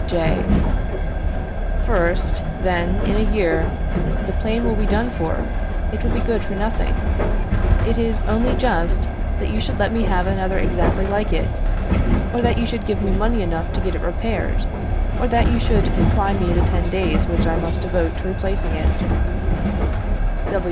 J. First, then, in a year, the plane will be done for, it will be good for nothing. It is only just, that you should let me have another exactly like it; or that you should give me money enough to get it repaired; or that you should supply me the ten days which I must devote to replacing it.